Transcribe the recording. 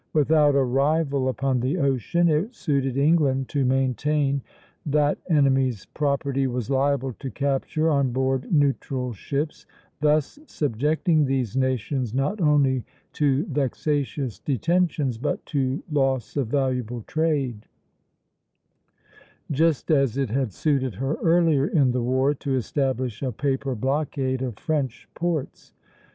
Without a rival upon the ocean, it suited England to maintain that enemy's property was liable to capture on board neutral ships, thus subjecting these nations not only to vexatious detentions, but to loss of valuable trade; just as it had suited her earlier in the war to establish a paper blockade of French ports.